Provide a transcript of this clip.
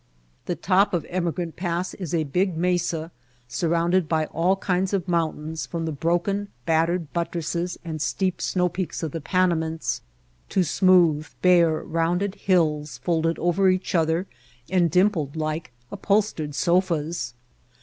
The top of Emigrant Pass is a big mesa sur rounded by all kinds of mountains from the broken, battered buttresses and steep snow peaks of the Panamints to smooth, bare, rounded hills folded over each other and dimpled like upholstered sofas.